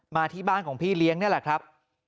มาที่บ้านของพี่เลี้ยงนี่แหละครับ